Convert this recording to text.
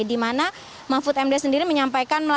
dimana mahfud md sendiri menyampaikan melalui